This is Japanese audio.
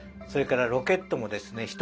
それからロケットもですね